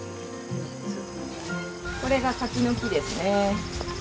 これが柿の木ですね。